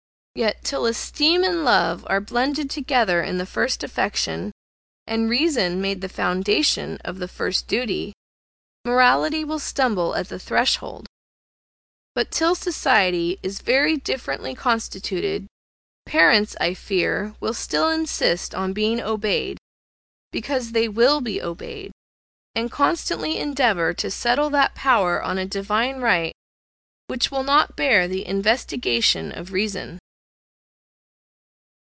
Yet, till esteem and love are blended together in the first affection, and reason made the foundation of the first duty, morality will stumble at the threshold. But, till society is very differently constituted, parents, I fear, will still insist on being obeyed, because they will be obeyed, and constantly endeavour to settle that power on a Divine right, which will not bear the investigation of reason.